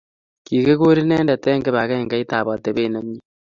Kikikur inendet eng kibangengeit ab atebet nemie